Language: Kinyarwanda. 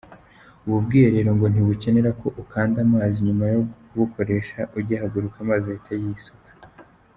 Ubu bwiherero ngo ntibukenera ko ukanda akazi nyuma yo kubukoresha, ugihaguruka amazi ahita yisuka.